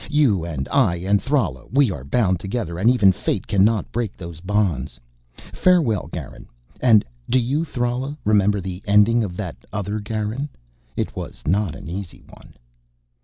You and I and Thrala, we are bound together and even fate can not break those bonds. Farewell, Garin. And do you, Thrala, remember the ending of that other Garan. It was not an easy one."